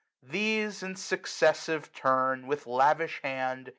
125 These, in successive turn, with lavish hand.